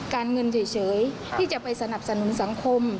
การเงินเฉยที่จะไปสนับสนุนสังคม